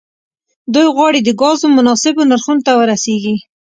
دوی غواړي د ګازو مناسبو نرخونو ته ورسیږي